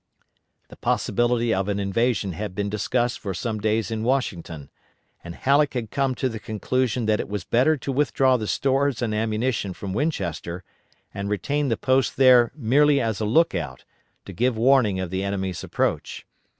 The possibility of an invasion had been discussed for some days in Washington, and Halleck had come to the conclusion that it was better to withdraw the stores and ammunition from Winchester, and retain the post there merely as a lookout, to give warning of the enemy's approach.